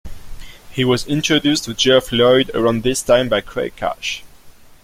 He was introduced to Geoff Lloyd around this time by Craig Cash.